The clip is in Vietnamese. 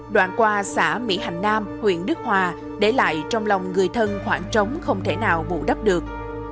đoạn qua xã mỹ hành nam huyện đức hòa để lại trong lòng người thân khoảng trống không thể nào bù đắp được